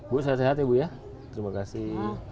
bu sehat sehat ya terima kasih